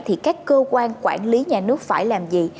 thì các cơ quan quản lý nhà nước phải làm gì